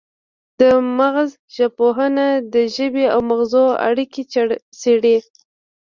مغزژبپوهنه د ژبې او مغزو اړیکې څیړي